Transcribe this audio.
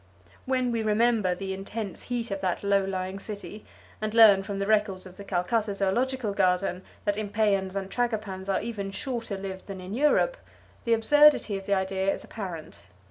When we remember the intense heat of that low lying city, and learn from the records of the Calcutta Zoological Garden that impeyans and tragopans are even shorter lived than in Europe, the absurdity of the idea is apparent.